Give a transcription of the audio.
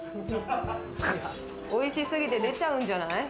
おいしすぎて出ちゃうんじゃない？